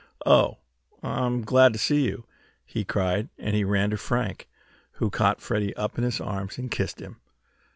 Oh, I'm glad to see you!" he cried, and he ran to Frank, who caught Freddie up in his arms, and kissed him.